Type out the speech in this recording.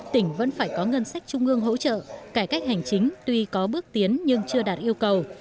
tỉnh vẫn phải có ngân sách trung ương hỗ trợ cải cách hành chính tuy có bước tiến nhưng chưa đạt yêu cầu